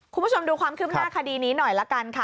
คุณผู้ชมดูความคืบหน้าคดีนี้หน่อยละกันค่ะ